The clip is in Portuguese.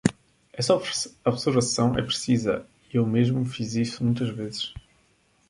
Essa observação é precisa e eu mesmo fiz isso muitas vezes.